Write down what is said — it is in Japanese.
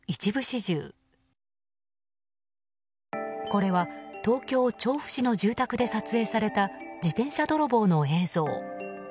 これは東京・調布市の住宅で撮影された自転車泥棒の映像。